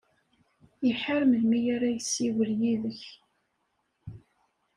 Iḥar melmi ara yessiwel yid-k.